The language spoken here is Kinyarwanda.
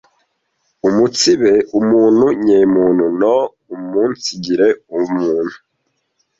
umunsibe umuntu nyemuntu no umunsigire ubumuntu,